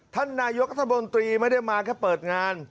ท่านนายกรัฐมนตรีไม่ได้มาแค่เปิดงาน